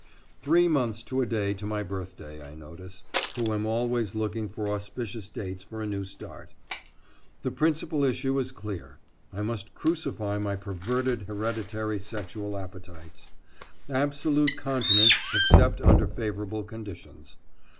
Three months to a day to my birthday, I notice, who am always looking for auspicious dates for a new start. The principal issue is clear, I must crucify my perverted hereditary sexual appetites. Absolute continence except under favorable conditions.